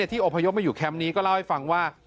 ที่อพยพมาอยู่แคมป์นี้ก็เล่าให้ฟังว่า